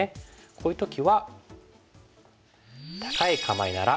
こういう時は。